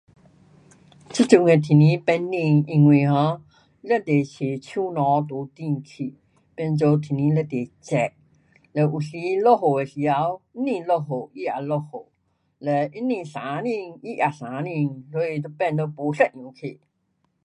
这阵的天气变天，因为 um 非常多树丛都砍去。变做天气非常热。了有时落雨的时头，不落雨它也落雨。嘞不是晴天它也晴天。所以就变做不一样去。